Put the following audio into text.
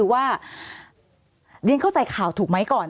สวัสดีครับทุกคน